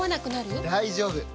大丈夫！